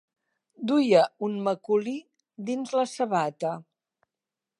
Duia un macolí dins la sabata.